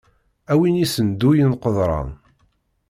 Am win issenduyen qeḍran.